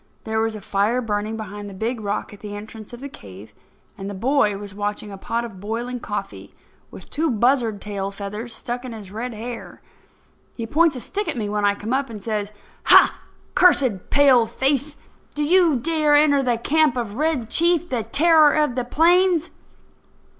There was a fire burning behind the big rock at the entrance of the cave, and the boy was watching a pot of boiling coffee, with two buzzard tail feathers stuck in his red hair. He points a stick at me when I come up, and says: "Ha! cursed paleface, do you dare to enter the camp of Red Chief, the terror of the plains?